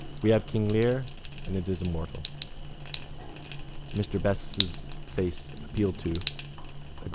We have King Lear: and it is immortal. Mr Best's face, appealed to, agreed.